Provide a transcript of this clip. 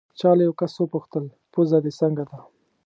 چا له یو کس وپوښتل: پوزه دې څنګه ده؟